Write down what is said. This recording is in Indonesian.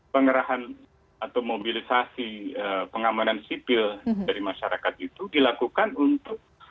pengerahan atau mobilisasi pengamanan sipil dari masyarakat itu dilakukan untuk